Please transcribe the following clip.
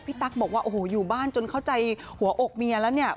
ตั๊กบอกว่าโอ้โหอยู่บ้านจนเข้าใจหัวอกเมียแล้วเนี่ย